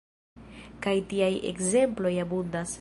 Kaj tiaj ekzemploj abundas.